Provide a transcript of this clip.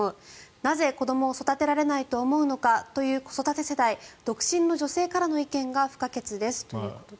なぜ子どもを育てられないと思うのかという子育て世代、独身の女性からの意見が不可欠ですということです。